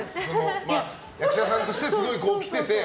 役者さんとしてすごいこう、来てて。